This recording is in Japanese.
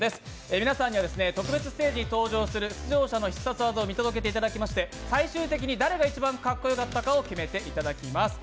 皆さんには特別ステージに登場する出場者の必殺技を見ていただいて最終的に誰が一番かっこよかったかを決めていただきます。